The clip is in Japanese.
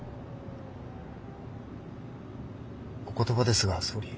お言葉ですが総理。